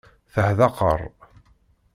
Teḥdaqer.